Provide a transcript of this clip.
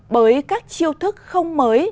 bởi các chiêu thức không mới